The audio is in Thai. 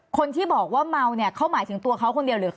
คนที่บอกว่าเมาเนี่ยเขาหมายถึงตัวเขาคนเดียวหรือ